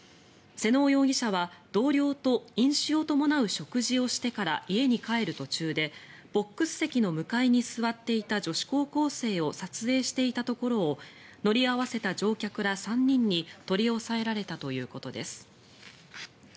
妹尾容疑者は同僚と飲酒を伴う食事をしてから家に帰る途中でボックス席の向かいに座っていた女子高校生を撮影していたところを乗り合わせた乗客ら３人に取り押さえられたということです。